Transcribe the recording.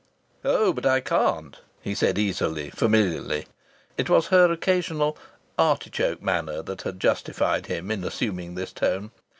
"Oh, but I can't!" he said easily, familiarly. It was her occasional "artichoke" manner that had justified him in assuming this tone.